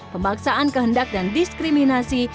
pembaksaan kehendak dan diskriminasi